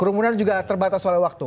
kerumunan juga terbatas oleh waktu